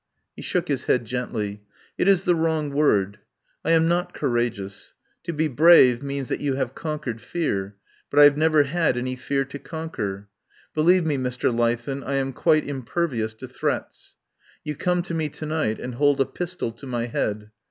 He shook his head gently. "It is the wrong word. I am not cour ageous. To be brave means that you have conquered fear, but I have never had any fear to conquer. Believe me, Mr. Leithen, I am quite impervious to threats. You come to me to night and hold a pistol to my head.